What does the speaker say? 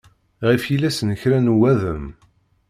Ɣef yiles n kra n uwadem.